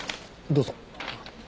どうぞ。